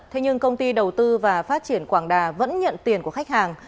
thế nhưng công ty đầu tư và phát triển quảng đà vẫn nhận tiền của khách hàng